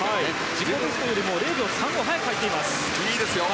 自己ベストよりも０秒３５早く入っています。